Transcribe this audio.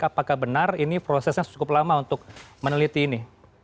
apakah benar ini prosesnya cukup lama untuk meneliti ini